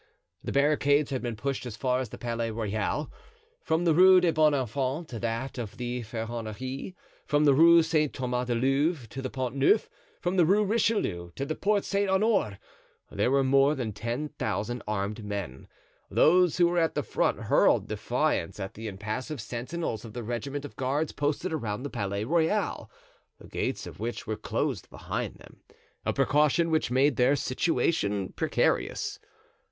The barricades had been pushed as far as the Palais Royal. From the Rue de Bons Enfants to that of the Ferronnerie, from the Rue Saint Thomas du Louvre to the Pont Neuf, from the Rue Richelieu to the Porte Saint Honore, there were more than ten thousand armed men; those who were at the front hurled defiance at the impassive sentinels of the regiment of guards posted around the Palais Royal, the gates of which were closed behind them, a precaution which made their situation precarious.